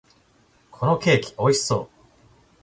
このケーキ、美味しそう！